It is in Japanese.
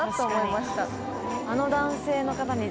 あの男性の方に。